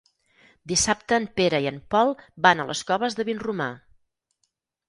Dissabte en Pere i en Pol van a les Coves de Vinromà.